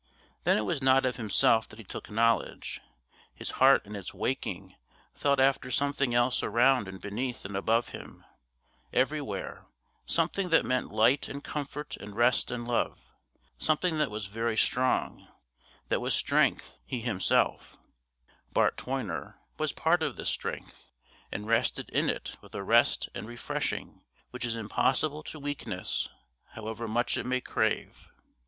Then it was not of himself that he took knowledge; his heart in its waking felt after something else around and beneath and above him, everywhere, something that meant light and comfort and rest and love, something that was very strong, that was strength; he himself, Bart Toyner, was part of this strength, and rested in it with a rest and refreshing which is impossible to weakness, however much it may crave.